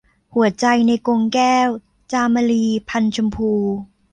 หัวใจในกรงแก้ว - จามรี พรรณชมพู